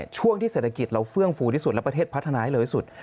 ช่วงที่เศรษฐกิจเราเฟื่องฟูที่สุดและประเทศพัฒนาให้เลยสุด